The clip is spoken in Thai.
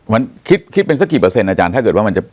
มันคิดเป็นสักกี่เปอร์เซ็นอาจารย์ถ้าเกิดว่ามันจะ